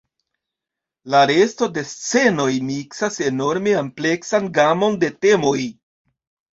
La resto de scenoj miksas enorme ampleksan gamon de temoj.